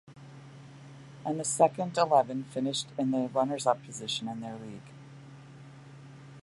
And the Second Eleven finished in the runners up position in their league.